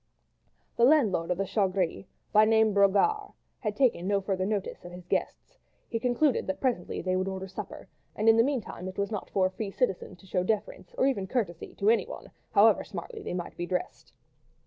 The landlord of the "Chat Gris"—by name, Brogard—had taken no further notice of his guests; he concluded that presently they would order supper, and in the meanwhile it was not for a free citizen to show deference, or even courtesy, to anyone, however smartly they might be dressed.